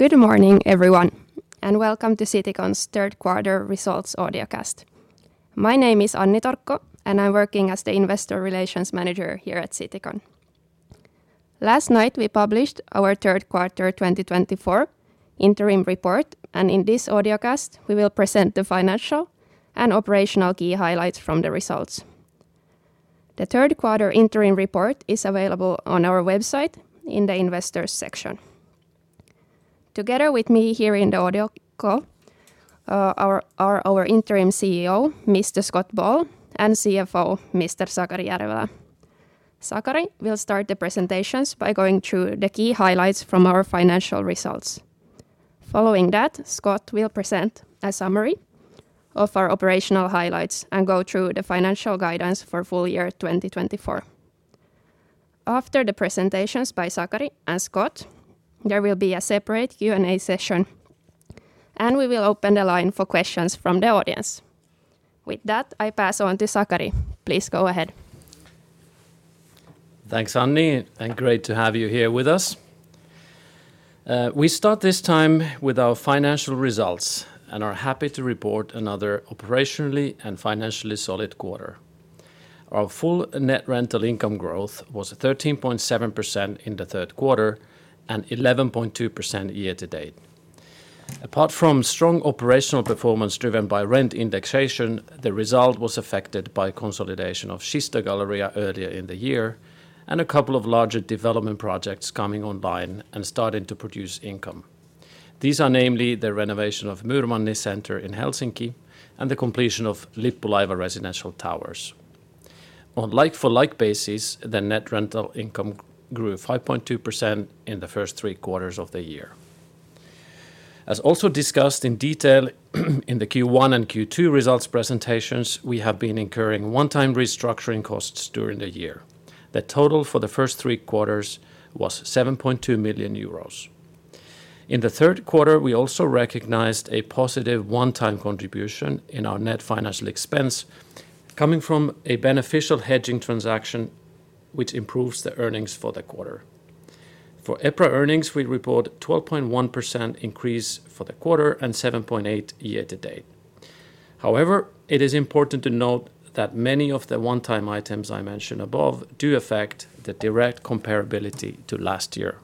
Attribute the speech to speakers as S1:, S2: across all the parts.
S1: Good morning, everyone, and welcome to Citycon's third quarter results audiocast. My name is Anni Torkko, and I'm working as the Investor Relations Manager here at Citycon. Last night, we published our third quarter 2024 interim report, and in this audiocast, we will present the financial and operational key highlights from the results. The third quarter interim report is available on our website in the Investors section. Together with me here in the audio call are our Interim CEO, Mr. Scott Ball, and CFO, Mr. Sakari Järvelä. Sakari will start the presentations by going through the key highlights from our financial results. Following that, Scott will present a summary of our operational highlights and go through the financial guidance for full year 2024. After the presentations by Sakari and Scott, there will be a separate Q&A session, and we will open the line for questions from the audience. With that, I pass on to Sakari. Please go ahead.
S2: Thanks, Anni, and great to have you here with us. We start this time with our financial results and are happy to report another operationally and financially solid quarter. Our full net rental income growth was 13.7% in the third quarter and 11.2% year-to-date. Apart from strong operational performance driven by rent indexation, the result was affected by consolidation of Kista Galleria earlier in the year and a couple of larger development projects coming online and starting to produce income. These are namely the renovation of Myyrmanni in Helsinki and the completion of Lippulaiva residential towers. On like-for-like basis, the net rental income grew 5.2% in the first three quarters of the year. As also discussed in detail in the Q1 and Q2 results presentations, we have been incurring one-time restructuring costs during the year. The total for the first three quarters was 7.2 million euros. In the third quarter, we also recognized a positive one-time contribution in our net financial expense coming from a beneficial hedging transaction, which improves the earnings for the quarter. For EPRA earnings, we report a 12.1% increase for the quarter and 7.8% year-to-date. However, it is important to note that many of the one-time items I mentioned above do affect the direct comparability to last year.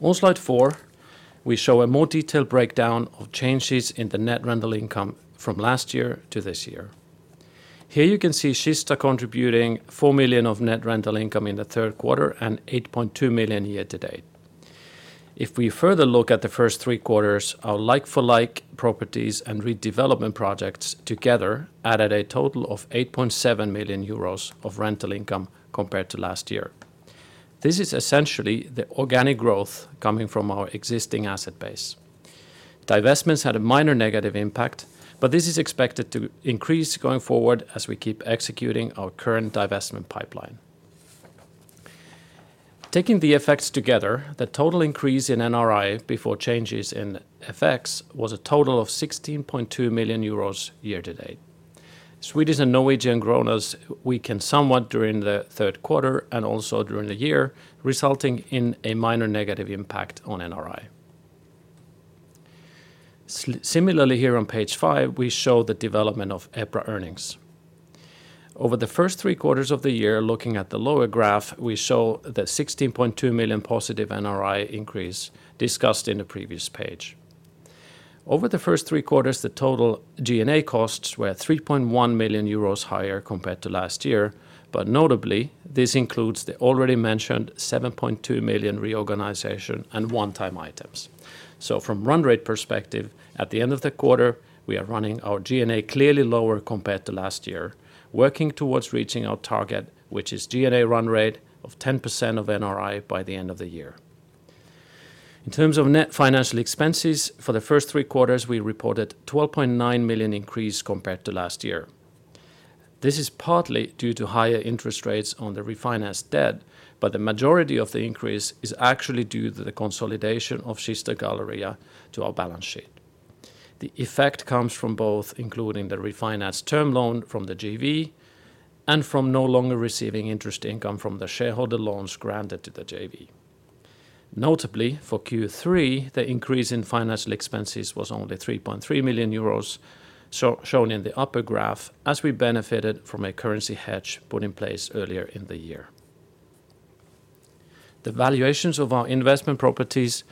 S2: On slide four, we show a more detailed breakdown of changes in the net rental income from last year to this year. Here you can see Kista contributing 4 million of net rental income in the third quarter and 8.2 million year to date. If we further look at the first three quarters, our like-for-like properties and redevelopment projects together added a total of 8.7 million euros of rental income compared to last year. This is essentially the organic growth coming from our existing asset base. Divestments had a minor negative impact, but this is expected to increase going forward as we keep executing our current divestment pipeline. Taking the effects together, the total increase in NRI before changes in effects was a total of 16.2 million euros year-to-date. Swedish and Norwegian growth weakened somewhat during the third quarter and also during the year, resulting in a minor negative impact on NRI. Similarly, here on page five, we show the development of EPRA earnings. Over the first three quarters of the year, looking at the lower graph, we show the 16.2 million positive NRI increase discussed in the previous page. Over the first three quarters, the total G&A costs were 3.1 million euros higher compared to last year, but notably, this includes the already mentioned 7.2 million reorganization and one-time items. From run rate perspective, at the end of the quarter, we are running our G&A clearly lower compared to last year, working towards reaching our target, which is G&A run rate of 10% of NRI by the end of the year. In terms of net financial expenses, for the first three quarters, we reported a 12.9 million increase compared to last year. This is partly due to higher interest rates on the refinanced debt, but the majority of the increase is actually due to the consolidation of Kista Galleria to our balance sheet. The effect comes from both, including the refinanced term loan from the JV and from no longer receiving interest income from the shareholder loans granted to the JV. Notably, for Q3, the increase in financial expenses was only 3.3 million euros, shown in the upper graph, as we benefited from a currency hedge put in place earlier in the year. The valuations of our investment properties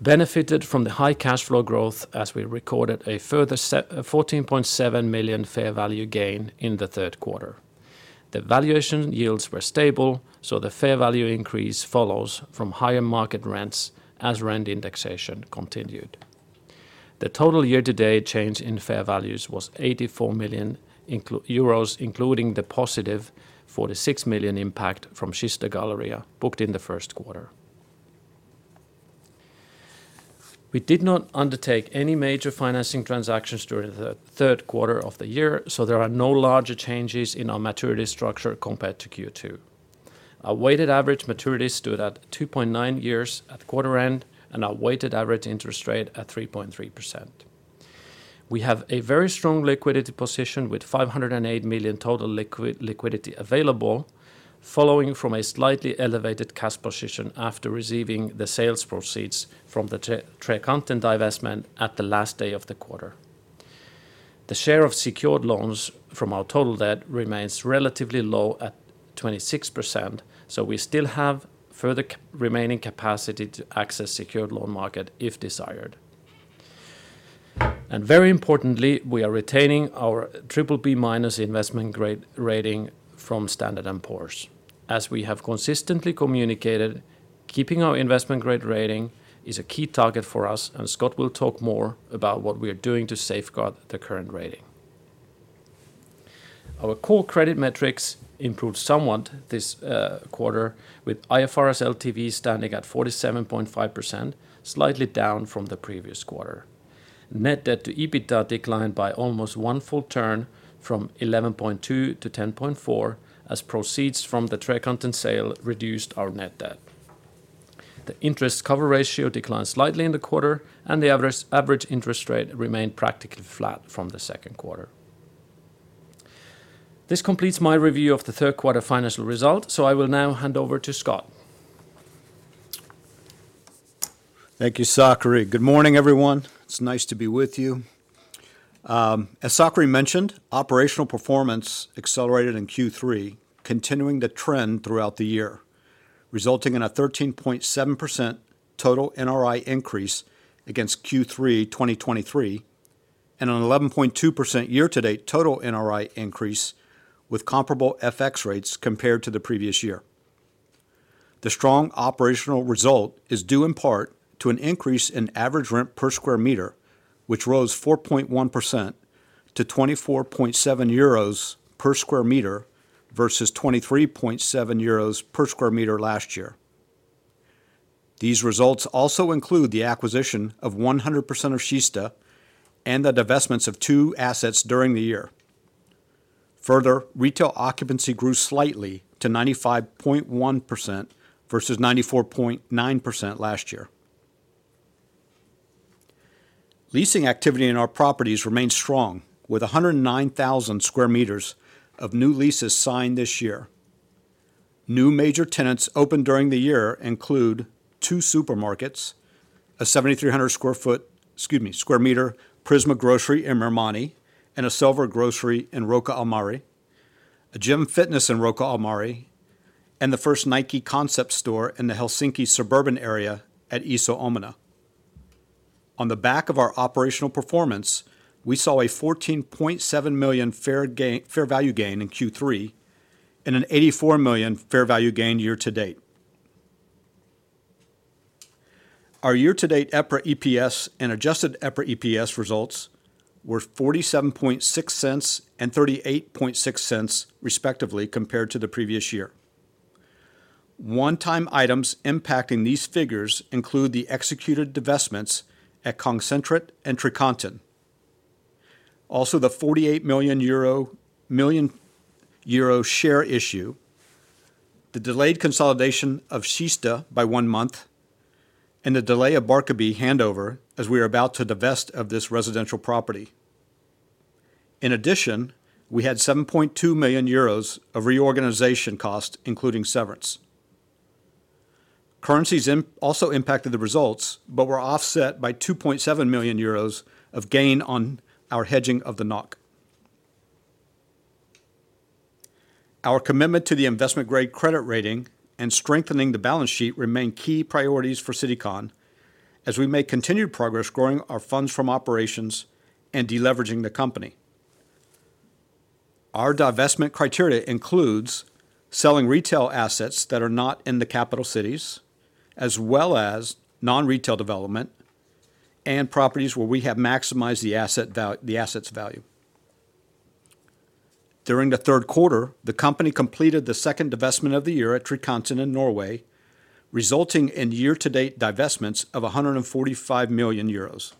S2: benefited from the high cash flow growth as we recorded a further 14.7 million EUR fair value gain in the third quarter. The valuation yields were stable, so the fair value increase follows from higher market rents as rent indexation continued. The total year-to-date change in fair values was 84 million euros, including the positive 46 million EUR impact from Kista Galleria booked in the first quarter. We did not undertake any major financing transactions during the third quarter of the year, so there are no larger changes in our maturity structure compared to Q2. Our weighted average maturity stood at 2.9 years at quarter end and our weighted average interest rate at 3.3%. We have a very strong liquidity position with 508 million total liquidity available, following from a slightly elevated cash position after receiving the sales proceeds from the Trekanten divestment at the last day of the quarter. The share of secured loans from our total debt remains relatively low at 26%, so we still have further remaining capacity to access the secured loan market if desired. Very importantly, we are retaining our BBB- investment grade rating from Standard & Poor's. As we have consistently communicated, keeping our investment grade rating is a key target for us, and Scott will talk more about what we are doing to safeguard the current rating. Our core credit metrics improved somewhat this quarter, with IFRS LTV standing at 47.5%, slightly down from the previous quarter. Net debt to EBITDA declined by almost one full turn from 11.2 to 10.4, as proceeds from the Trekanten sale reduced our net debt. The interest cover ratio declined slightly in the quarter, and the average interest rate remained practically flat from the second quarter. This completes my review of the third quarter financial results, so I will now hand over to Scott.
S3: Thank you, Sakari. Good morning, everyone. It's nice to be with you. As Sakari mentioned, operational performance accelerated in Q3, continuing the trend throughout the year, resulting in a 13.7% total NRI increase against Q3 2023 and an 11.2% year-to-date total NRI increase with comparable FX rates compared to the previous year. The strong operational result is due in part to an increase in average rent per sq m, which rose 4.1% to 24.7 euros per sq m versus 23.7 euros per sq m last year. These results also include the acquisition of 100% of Kista and the divestments of two assets during the year. Further, retail occupancy grew slightly to 95.1% versus 94.9% last year. Leasing activity in our properties remains strong, with 109,000 sq m of new leases signed this year. New major tenants opened during the year include two supermarkets, a 7,300 sq m Prisma in Myyrmanni, and a Selver in Rocca al Mare, a Gym! in Rocca al Mare, and the first Nike concept store in the Helsinki suburban area at Iso-Omena. On the back of our operational performance, we saw a 14.7 million EUR fair value gain in Q3 and an 84 million EUR fair value gain year-to-date. Our year-to-date EPRA EPS and adjusted EPRA EPS results were 0.476 and 0.386, respectively, compared to the previous year. One-time items impacting these figures include the executed divestments at Kongssenteret and Trekanten, also the 48 million euro share issue, the delayed consolidation of Kista Galleria by one month, and the delay of Barkarby handover as we are about to divest of this residential property. In addition, we had 7.2 million euros of reorganization costs, including severance. Currencies also impacted the results but were offset by 2.7 million euros of gain on our hedging of the NOK. Our commitment to the investment grade credit rating and strengthening the balance sheet remain key priorities for Citycon, as we make continued progress growing our funds from operations and deleveraging the company. Our divestment criteria includes selling retail assets that are not in the capital cities, as well as non-retail development and properties where we have maximized the assets' value. During the third quarter, the company completed the second divestment of the year at Trekanten in Norway, resulting in year-to-date divestments of 145 million euros.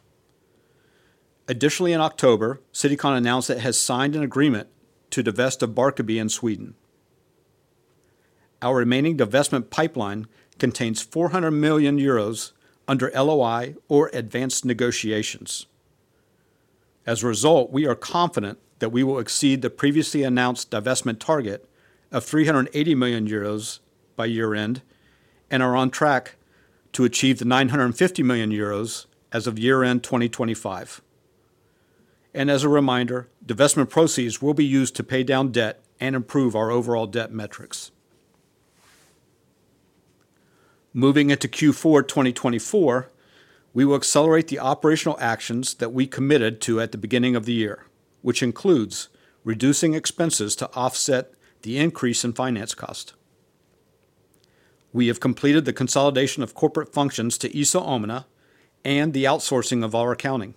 S3: Additionally, in October, Citycon announced it has signed an agreement to divest of Barkarby in Sweden. Our remaining divestment pipeline contains 400 million euros under LOI or advanced negotiations. As a result, we are confident that we will exceed the previously announced divestment target of 380 million euros by year-end and are on track to achieve the 950 million euros as of year-end 2025, and as a reminder, divestment proceeds will be used to pay down debt and improve our overall debt metrics. Moving into Q4 2024, we will accelerate the operational actions that we committed to at the beginning of the year, which includes reducing expenses to offset the increase in finance cost. We have completed the consolidation of corporate functions to Iso-Omena and the outsourcing of our accounting.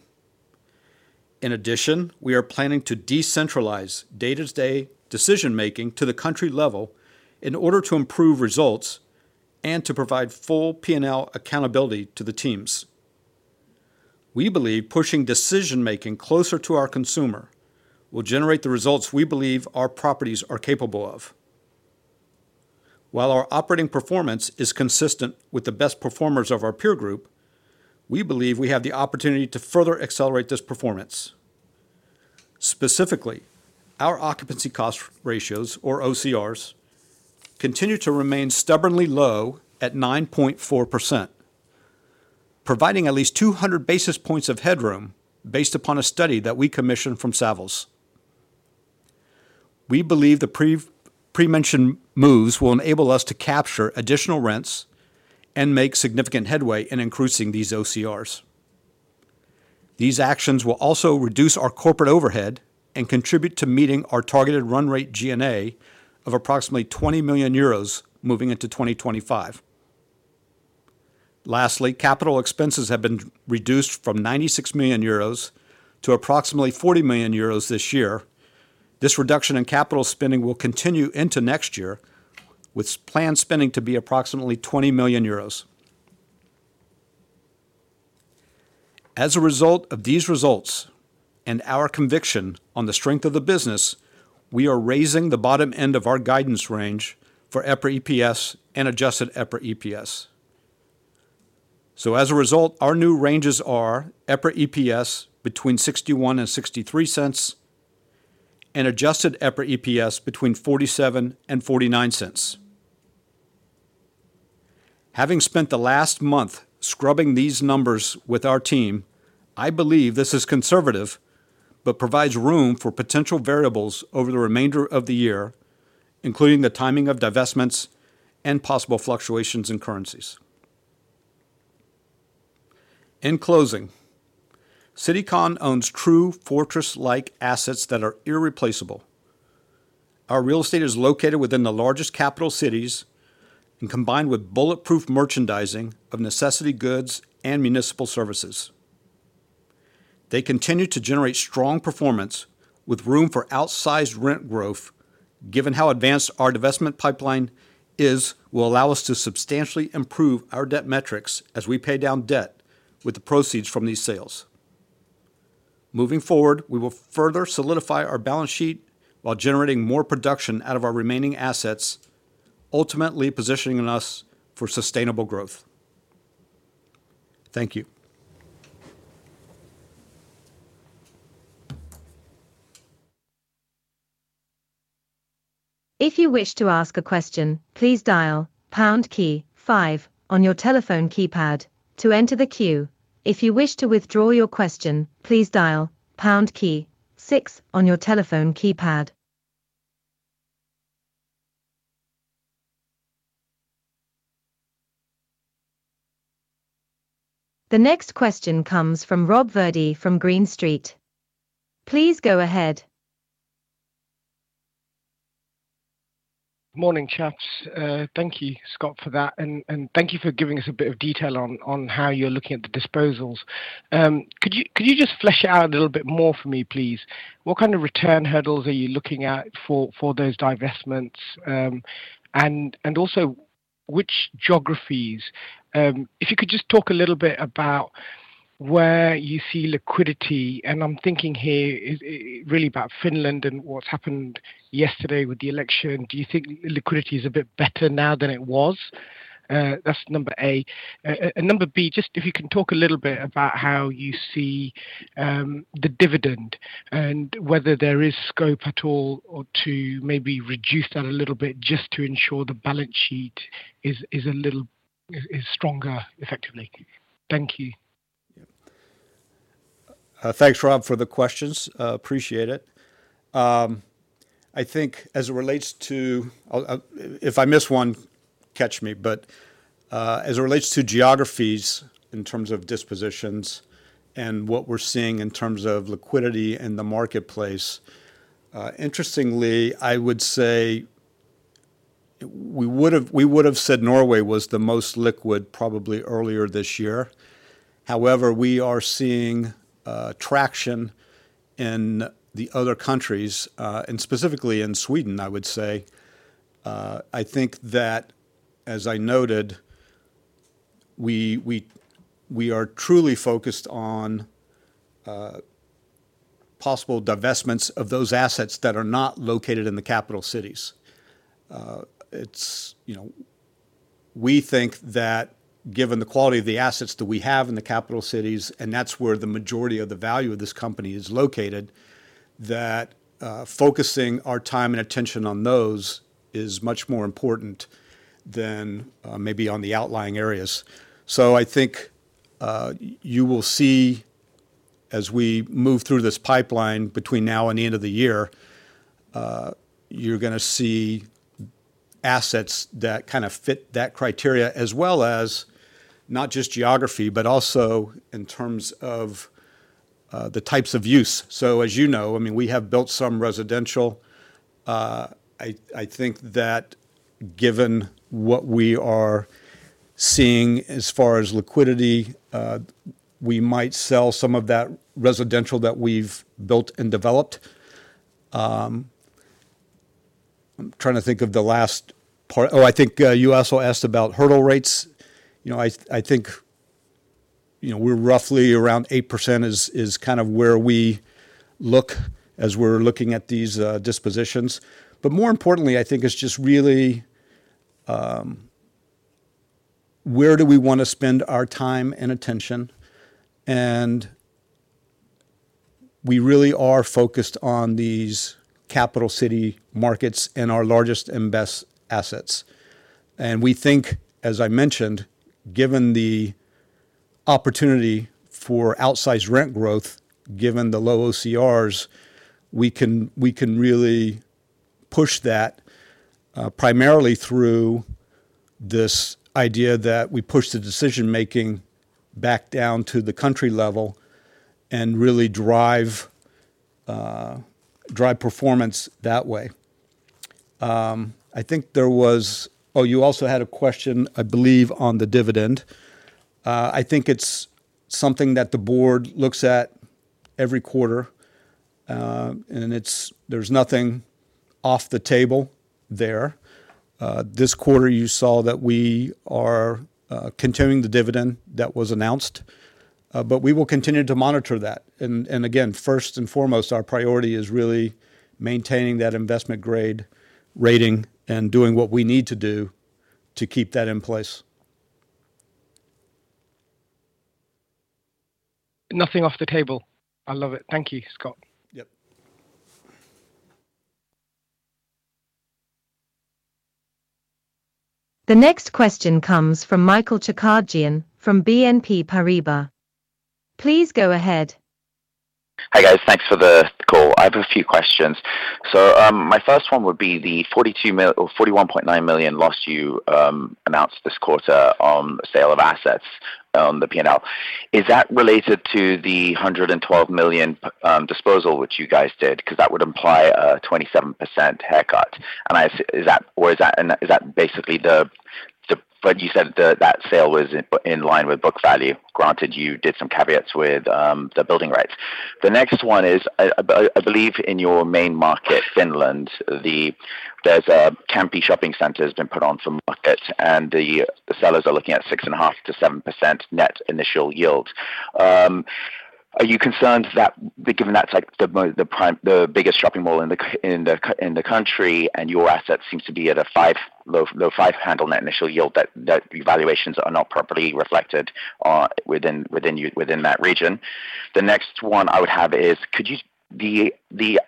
S3: In addition, we are planning to decentralize day-to-day decision-making to the country level in order to improve results and to provide full P&L accountability to the teams. We believe pushing decision-making closer to our consumer will generate the results we believe our properties are capable of. While our operating performance is consistent with the best performers of our peer group, we believe we have the opportunity to further accelerate this performance. Specifically, our occupancy cost ratios, or OCRs, continue to remain stubbornly low at 9.4%, providing at least 200 basis points of headroom based upon a study that we commissioned from Savills. We believe the pre-mentioned moves will enable us to capture additional rents and make significant headway in increasing these OCRs. These actions will also reduce our corporate overhead and contribute to meeting our targeted run rate G&A of approximately 20 million euros moving into 2025. Lastly, capital expenses have been reduced from 96 million euros to approximately 40 million euros this year. This reduction in capital spending will continue into next year, with planned spending to be approximately 20 million euros. As a result of these results and our conviction on the strength of the business, we are raising the bottom end of our guidance range for EPRA EPS and adjusted EPRA EPS. So, as a result, our new ranges are EPRA EPS between 0.61 and 0.63 and adjusted EPRA EPS between 0.47 and 0.49. Having spent the last month scrubbing these numbers with our team, I believe this is conservative but provides room for potential variables over the remainder of the year, including the timing of divestments and possible fluctuations in currencies. In closing, Citycon owns true fortress-like assets that are irreplaceable. Our real estate is located within the largest capital cities and combined with bulletproof merchandising of necessity goods and municipal services. They continue to generate strong performance, with room for outsized rent growth, given how advanced our divestment pipeline is, will allow us to substantially improve our debt metrics as we pay down debt with the proceeds from these sales. Moving forward, we will further solidify our balance sheet while generating more production out of our remaining assets, ultimately positioning us for sustainable growth. Thank you.
S4: If you wish to ask a question, please dial #5 on your telephone keypad to enter the queue. If you wish to withdraw your question, please dial #6 on your telephone keypad. The next question comes from Rob Virdee from Green Street. Please go ahead.
S5: Morning, chaps. Thank you, Scott, for that, and thank you for giving us a bit of detail on how you're looking at the disposals. Could you just flesh it out a little bit more for me, please? What kind of return hurdles are you looking at for those divestments, and also which geographies? If you could just talk a little bit about where you see liquidity, and I'm thinking here really about Finland and what's happened yesterday with the election. Do you think liquidity is a bit better now than it was? That's number A. And number B, just if you can talk a little bit about how you see the dividend and whether there is scope at all to maybe reduce that a little bit just to ensure the balance sheet is a little stronger, effectively. Thank you.
S3: Thanks, Rob, for the questions. Appreciate it. I think as it relates to, if I miss one, catch me, but as it relates to geographies in terms of dispositions and what we're seeing in terms of liquidity in the marketplace, interestingly, I would say we would have said Norway was the most liquid probably earlier this year. However, we are seeing traction in the other countries, and specifically in Sweden, I would say. I think that, as I noted, we are truly focused on possible divestments of those assets that are not located in the capital cities. We think that, given the quality of the assets that we have in the capital cities, and that's where the majority of the value of this company is located, that focusing our time and attention on those is much more important than maybe on the outlying areas. So I think you will see, as we move through this pipeline between now and the end of the year, you're going to see assets that kind of fit that criteria, as well as not just geography, but also in terms of the types of use. So, as you know, I mean, we have built some residential. I think that, given what we are seeing as far as liquidity, we might sell some of that residential that we've built and developed. I'm trying to think of the last part. Oh, I think you also asked about hurdle rates. I think we're roughly around 8% is kind of where we look as we're looking at these dispositions. But more importantly, I think it's just really where do we want to spend our time and attention? And we really are focused on these capital city markets and our largest and best assets. We think, as I mentioned, given the opportunity for outsized rent growth, given the low OCRs, we can really push that primarily through this idea that we push the decision-making back down to the country level and really drive performance that way. I think there was. Oh, you also had a question, I believe, on the dividend. I think it's something that the board looks at every quarter, and there's nothing off the table there. This quarter, you saw that we are continuing the dividend that was announced, but we will continue to monitor that. And again, first and foremost, our priority is really maintaining that investment grade rating and doing what we need to do to keep that in place.
S5: Nothing off the table. I love it. Thank you, Scott.
S3: Yep.
S4: The next question comes from Michal Chakardjian from BNP Paribas. Please go ahead.
S6: Hi guys, thanks for the call. I have a few questions. So my first one would be the 41.9 million loss you announced this quarter on the sale of assets on the P&L. Is that related to the 112 million disposal which you guys did? Because that would imply a 27% haircut. And is that basically the—what you said, that sale was in line with book value, granted you did some caveats with the building rights. The next one is, I believe, in your main market, Finland, there's a Kamppi shopping center that's been put on the market, and the sellers are looking at 6.5%-7% net initial yield. Are you concerned that, given that's the biggest shopping mall in the country and your asset seems to be at a low five handle net initial yield, that your valuations are not properly reflected within that region? The next one I would have is, could you, the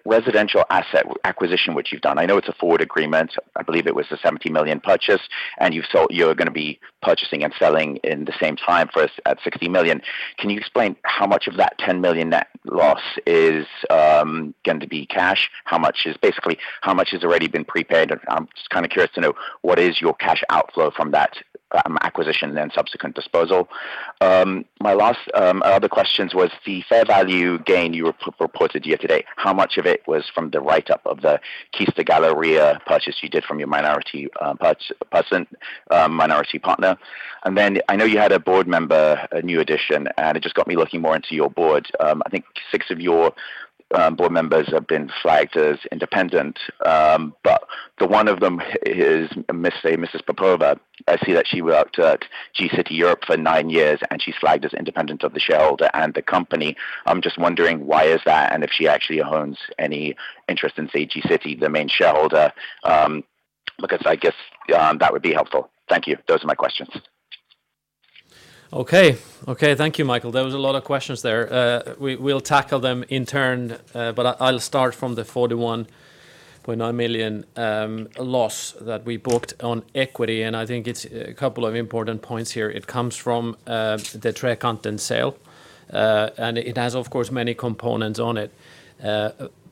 S6: residential asset acquisition which you've done, I know it's a forward agreement. I believe it was a 70 million purchase, and you're going to be purchasing and selling in the same time first at 60 million. Can you explain how much of that 10 million net loss is going to be cash? Basically, how much has already been prepaid? I'm just kind of curious to know what is your cash outflow from that acquisition and subsequent disposal? My last other question was the fair value gain you reported yesterday. How much of it was from the write-up of the Kista Galleria purchase you did from your minority partner? And then I know you had a board member, a new addition, and it just got me looking more into your board. I think six of your board members have been flagged as independent, but the one of them is Ms. Popova. I see that she worked at G City Europe for nine years, and she's flagged as independent of the shareholder and the company. I'm just wondering why is that and if she actually owns any interest in, say, G City, the main shareholder, because I guess that would be helpful. Thank you. Those are my questions.
S2: Okay. Okay. Thank you, Michael. There was a lot of questions there. We'll tackle them in turn, but I'll start from the 41.9 million loss that we booked on equity, and I think it's a couple of important points here. It comes from the Trekanten sale, and it has, of course, many components on it.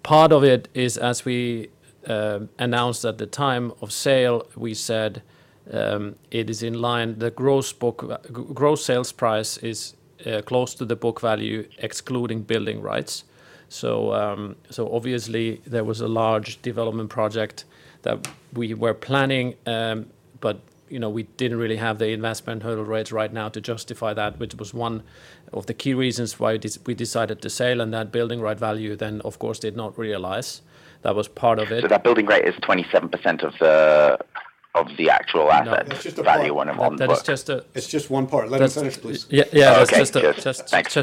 S2: Part of it is, as we announced at the time of sale, we said it is in line. The gross sales price is close to the book value, excluding building rights, so obviously, there was a large development project that we were planning, but we didn't really have the investment hurdle rates right now to justify that, which was one of the key reasons why we decided to sell, and that building right value then, of course, did not realize. That was part of it.
S6: That building rights is 27% of the actual asset value when it was booked.
S3: That's just one part. Let us finish, please. Yeah. Just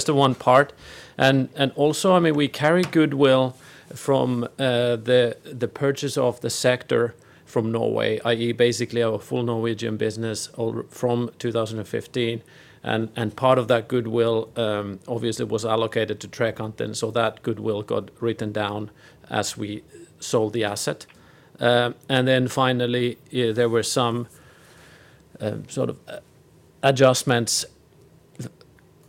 S3: the one part. And also, I mean, we carry goodwill from the purchase of the Sektor from Norway, i.e., basically our full Norwegian business from 2015. And part of that goodwill, obviously, was allocated to Trekanten, so that goodwill got written down as we sold the asset. And then finally, there were some sort of adjustments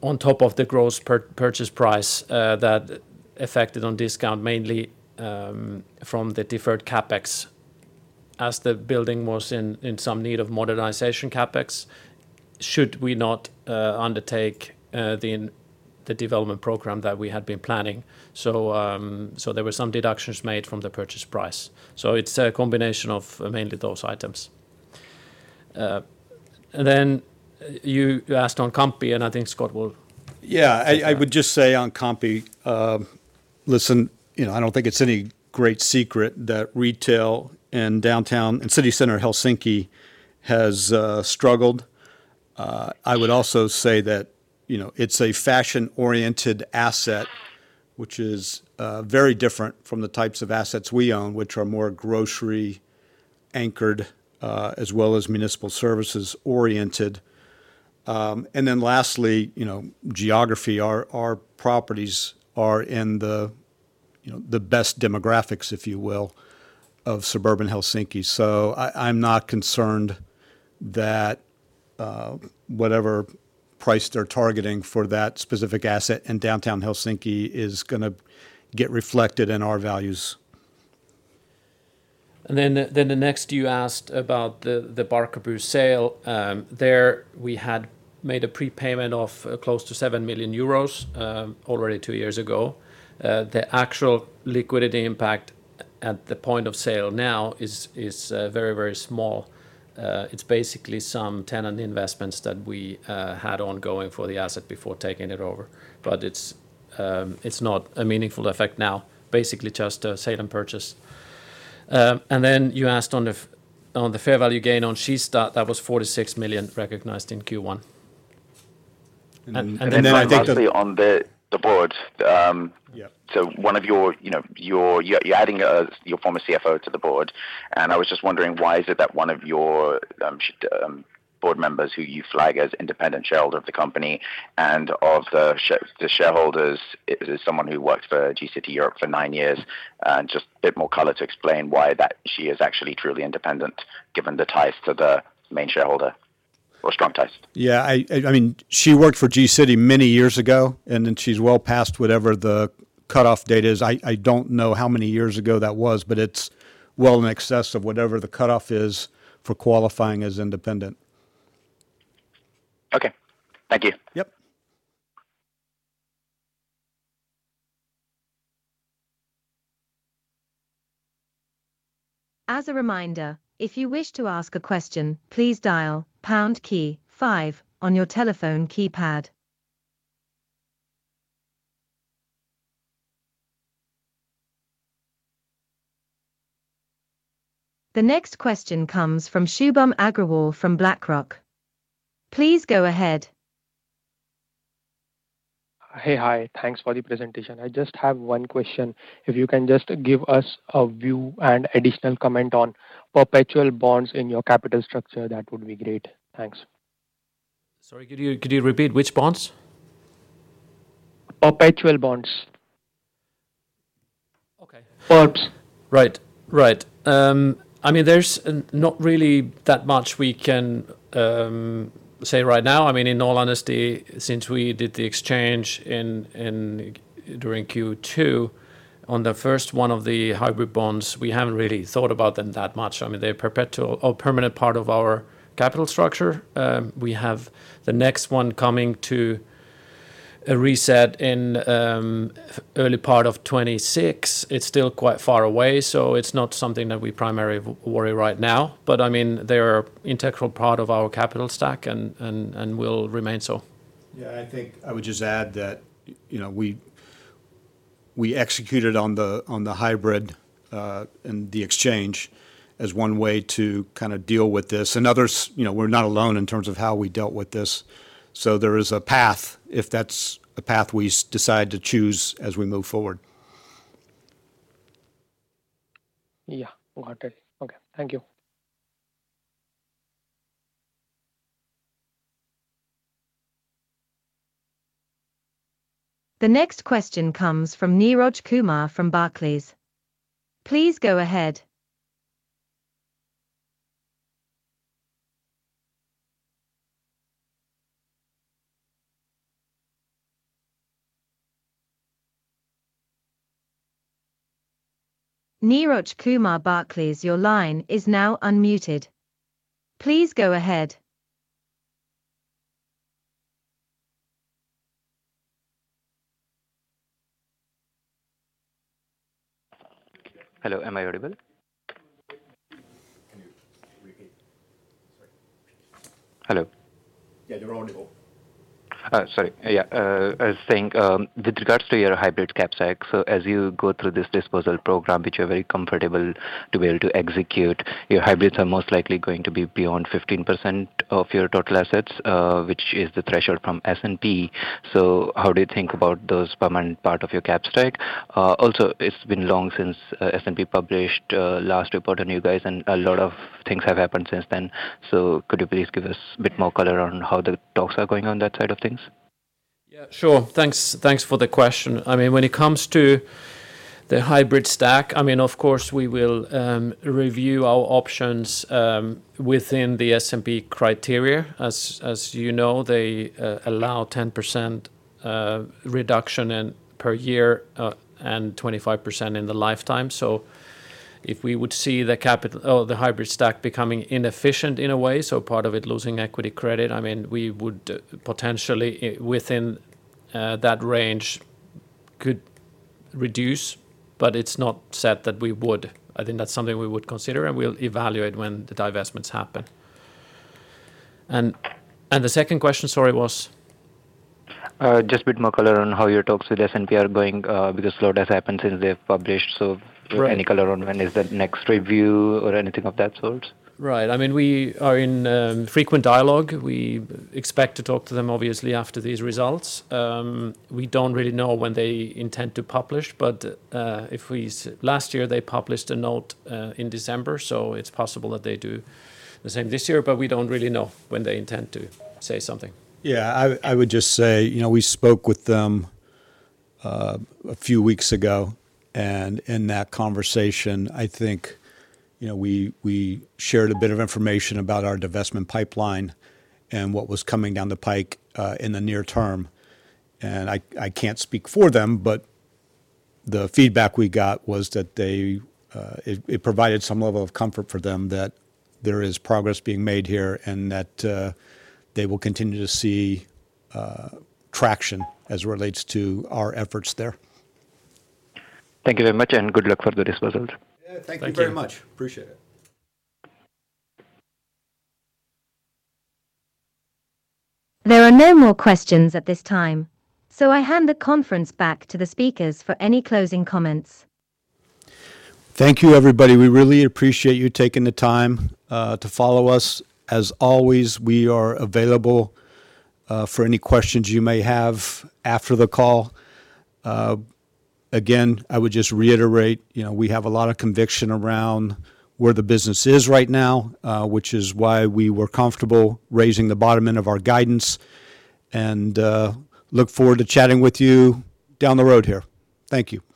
S3: on top of the gross purchase price that affected on discount mainly from the deferred CapEx as the building was in some need of modernization CapEx, should we not undertake the development program that we had been planning. So there were some deductions made from the purchase price. So it's a combination of mainly those items. And then you asked on Kamppi, and I think Scott will. Yeah. I would just say on Kamppi, listen, I don't think it's any great secret that retail and downtown and city center Helsinki has struggled. I would also say that it's a fashion-oriented asset, which is very different from the types of assets we own, which are more grocery-anchored as well as municipal services-oriented. And then lastly, geography, our properties are in the best demographics, if you will, of suburban Helsinki. So I'm not concerned that whatever price they're targeting for that specific asset in downtown Helsinki is going to get reflected in our values. And then the next, you asked about the Barkarby sale. There we had made a prepayment of close to 7 million euros already two years ago. The actual liquidity impact at the point of sale now is very, very small. It's basically some tenant investments that we had ongoing for the asset before taking it over, but it's not a meaningful effect now, basically just a sale and purchase, and then you asked on the fair value gain on Kista, that was 46 million recognized in Q1.
S6: Then I think. Then lastly, on the board, so one of your—you're adding your former CFO to the board. And I was just wondering, why is it that one of your board members who you flag as independent shareholder of the company and of the shareholders is someone who worked for G City Europe for nine years? Just a bit more color to explain why that she is actually truly independent, given the ties to the main shareholder or strong ties.
S3: Yeah. I mean, she worked for G City many years ago, and then she's well past whatever the cutoff date is. I don't know how many years ago that was, but it's well in excess of whatever the cutoff is for qualifying as independent.
S6: Okay. Thank you.
S3: Yep.
S4: As a reminder, if you wish to ask a question, please dial pound key five on your telephone keypad. The next question comes from Shubham Agrawal from BlackRock. Please go ahead.
S7: Hey, hi. Thanks for the presentation. I just have one question. If you can just give us a view and additional comment on perpetual bonds in your capital structure, that would be great. Thanks.
S2: Sorry, could you repeat? Which bonds?
S7: Perpetual bonds.
S3: Okay.
S7: Perps.
S3: I mean, there's not really that much we can say right now. I mean, in all honesty, since we did the exchange during Q2, on the first one of the hybrid bonds, we haven't really thought about them that much. I mean, they're a permanent part of our capital structure. We have the next one coming to a reset in early part of 2026. It's still quite far away, so it's not something that we primarily worry right now. But I mean, they're an integral part of our capital stack and will remain so. Yeah. I think I would just add that we executed on the hybrid and the exchange as one way to kind of deal with this. And others, we're not alone in terms of how we dealt with this. So there is a path, if that's a path we decide to choose as we move forward.
S7: Yeah. Got it. Okay. Thank you.
S4: The next question comes from Niraj Kumar from Barclays. Please go ahead. Niraj Kumar Barclays, your line is now unmuted. Please go ahead.
S8: Hello. Am I audible?
S1: Can you repeat? Sorry.
S8: Hello.
S1: Yeah, you're audible.
S8: Sorry. Yeah. I was saying with regards to your hybrid cap stack, so as you go through this disposal program, which you're very comfortable to be able to execute, your hybrids are most likely going to be beyond 15% of your total assets, which is the threshold from S&P. So how do you think about those permanent part of your cap stack? Also, it's been long since S&P published last report on you guys, and a lot of things have happened since then. So could you please give us a bit more color on how the talks are going on that side of things?
S3: Yeah. Sure. Thanks for the question. I mean, when it comes to the hybrid stack, I mean, of course, we will review our options within the S&P criteria. As you know, they allow 10% reduction per year and 25% in the lifetime. So if we would see the hybrid stack becoming inefficient in a way, so part of it losing equity credit, I mean, we would potentially within that range could reduce, but it's not set that we would. I think that's something we would consider, and we'll evaluate when the divestments happen. And the second question, sorry, was?
S8: Just a bit more color on how your talks with S&P are going because a lot has happened since they've published. So any color on when is the next review or anything of that sort?
S3: Right. I mean, we are in frequent dialogue. We expect to talk to them, obviously, after these results. We don't really know when they intend to publish, but last year they published a note in December, so it's possible that they do the same this year, but we don't really know when they intend to say something.
S2: Yeah. I would just say we spoke with them a few weeks ago, and in that conversation, I think we shared a bit of information about our divestment pipeline and what was coming down the pike in the near term. And I can't speak for them, but the feedback we got was that it provided some level of comfort for them that there is progress being made here and that they will continue to see traction as it relates to our efforts there.
S8: Thank you very much, and good luck for the disposals.
S1: Yeah. Thank you very much. Appreciate it.
S4: There are no more questions at this time, so I hand the conference back to the speakers for any closing comments.
S3: Thank you, everybody. We really appreciate you taking the time to follow us. As always, we are available for any questions you may have after the call. Again, I would just reiterate we have a lot of conviction around where the business is right now, which is why we were comfortable raising the bottom end of our guidance, and look forward to chatting with you down the road here. Thank you.